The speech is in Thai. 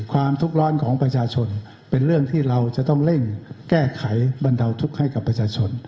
ความทุกข์ร้อนของประชาชนเป็นเรื่องที่เราจะต้องเร่งแก้ไขบรรเทาทุกข์ให้กับประชาชน